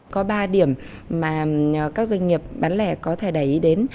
có ba điểm mà các doanh nghiệp bán lẻ có thể đẩy ý đến